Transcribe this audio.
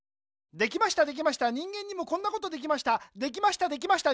できましたできました人間にもこんなことできました。